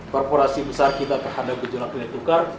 korporasi besar kita terhadap gejala gejala tukar